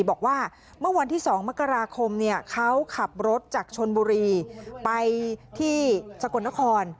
บอกว่าเมื่อวันที่๒มกราคมเขาขับรถจากชนบุรีไปที่สกลนคร